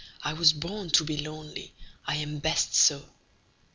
I was born to be lonely, I am best so!"